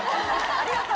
ありがとう！